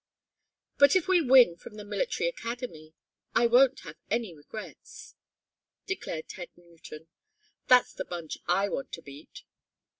"But if we win from the military academy, I won't have any regrets," declared Ted Newton. "That's the bunch I want to beat!"